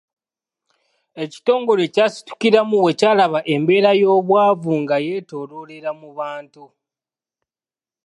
Ekitongole kyasitukiramu bwe kyalaba embeera y'obwavu nga yeetooloolera mu bantu.